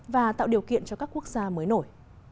và tạo điều kiện cho các quốc gia mới nổi